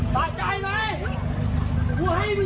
ไม่ใช่กูอ่ะ